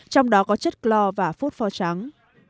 trong đó có chất clor và phốt pho trắng